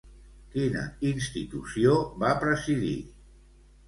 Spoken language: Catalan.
Quina institució va presidir?